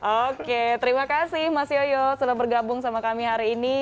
oke terima kasih mas yoyo sudah bergabung sama kami hari ini